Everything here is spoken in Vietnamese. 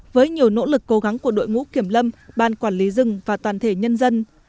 với nhiều nỗ lực cố gắng của đội ngũ kiểm lâm ban quản lý rừng và toàn thể nhân dân